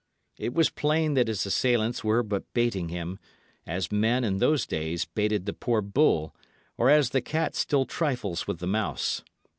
It was plain that his assailants were but baiting him, as men, in those days, baited the poor bull, or as the cat still trifles with the mouse.